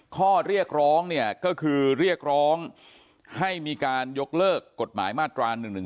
ข้อเรียกร้องเนี่ยก็คือเรียกร้องให้มีการยกเลิกกฎหมายมาตรา๑๑๒